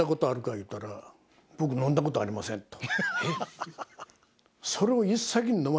言うたら「僕飲んだことありません」と。